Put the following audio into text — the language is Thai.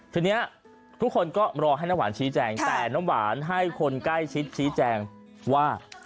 ทีนี้ทุกคนก็รอให้น้ำหวานชี้แจงแต่น้ำหวานให้คนใกล้ชิดชี้แจงว่า